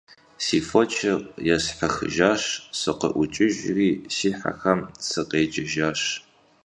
Си фочыр есхьэхыжащ, сыкъыӀукӀыжри си хьэхэм сыкъеджэжащ.